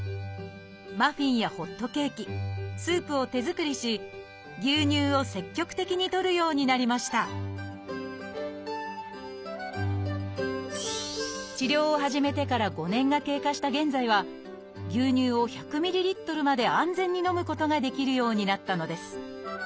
マフィンやホットケーキスープを手作りし牛乳を積極的にとるようになりました治療を始めてから５年が経過した現在は牛乳を１００ｍＬまで安全に飲むことができるようになったのです。